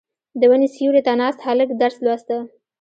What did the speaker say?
• د ونې سیوري ته ناست هلک درس لوسته.